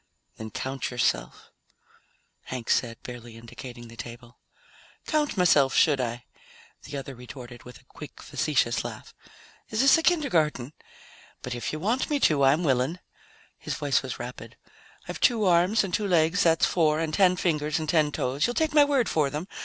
"Then count yourself," Hank said, barely indicating the table. "Count myself, should I?" the other retorted with a quick facetious laugh. "Is this a kindergarten? But if you want me to, I'm willing." His voice was rapid. "I've two arms, and two legs, that's four. And ten fingers and ten toes you'll take my word for them?